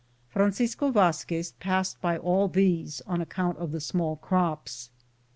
Francisco Vazquez passed by all these on account of the small crops.